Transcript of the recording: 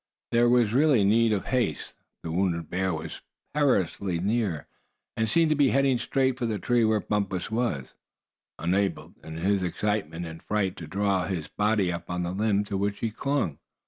There was really need of haste. The wounded bear was perilously near, and seemed to be heading straight for the tree where Bumpus was, unable, in his excitement and fright to draw his body up on the limb to which he clung.